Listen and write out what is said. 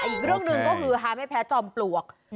อีกเรื่องหนึ่งก็คือฮาไม่แพ้จอมปลวก